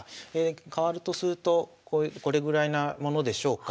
変わるとするとこれぐらいなものでしょうか。